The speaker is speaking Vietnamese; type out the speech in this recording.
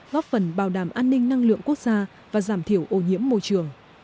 góp phần bảo đảm an ninh năng lượng quốc gia và giảm thiểu ô nhiễm môi trường